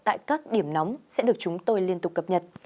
tại các điểm nóng sẽ được chúng tôi liên tục cập nhật